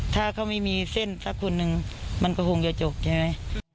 ถ้าเขาไม่มีเส้นสักคนหนึ่งมันก็คงจะจบใช่ไหม